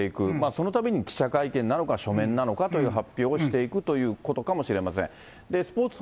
そのために記者会見なのか、書面なのかという発表をしていくということかもしれません。